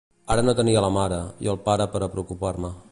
Ara no tenia la mare i el pare per a preocupar-me.